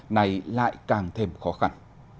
này lại càng thêm khó khăn